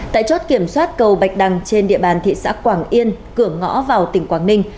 tại chốt kiểm soát cầu bạch đăng trên địa bàn thị xã quảng yên cửa ngõ vào tỉnh quảng ninh